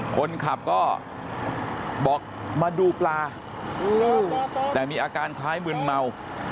คนขับก็บอกมาดูปลาแต่มีอาการคล้ายมึนเมา